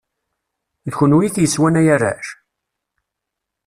D kunwi i t-yeswan ay arrac?